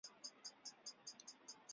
毕业之后进入动画业界。